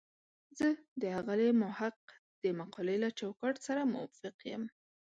زه د ښاغلي محق د مقالې له چوکاټ سره موافق یم.